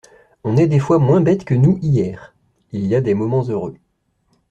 On est des fois moins bête que nous, hier … Il y a des moments heureux.